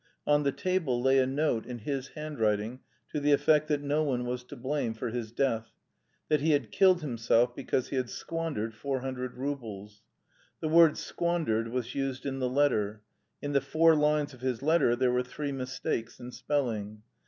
On the table lay a note, in his handwriting, to the effect that no one was to blame for his death, that he had killed himself because he had "squandered" four hundred roubles. The word "squandered" was used in the letter; in the four lines of his letter there were three mistakes in spelling.